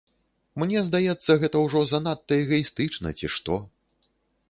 Мне здаецца, гэта ўжо занадта эгаістычна, ці што.